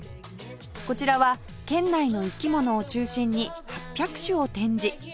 こちらは県内の生き物を中心に８００種を展示